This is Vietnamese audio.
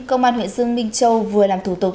công an huyện dương minh châu vừa làm thủ tục